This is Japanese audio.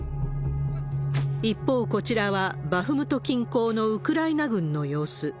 一方、こちらはバフムト近郊のウクライナ軍の様子。